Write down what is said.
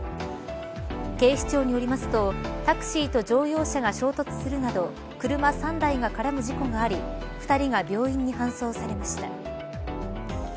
警視庁によりますとタクシーと乗用車が衝突するなど車３台が絡む事故があり２人が病院に搬送されました。